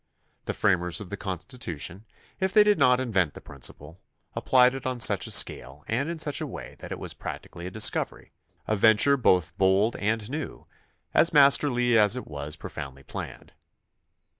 The framers of the Constitution, if they did not in vent the principle, applied it on such a scale and in such a way that it was practically a discovery, a ven ture both bold and new, as masterly as it was pro foundly planned.